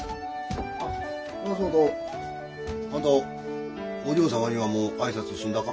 それはそうとあんたお嬢様にはもう挨拶済んだか？